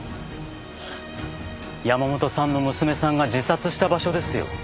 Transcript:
山本さんの娘さんが自殺した場所ですよ。